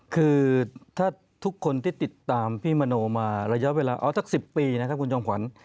คือถ้าทุกคนที่ติดตามพี่มโนมาระยะเวลาเอาสัก๑๐ปีนะครับคุณจอมขวัญ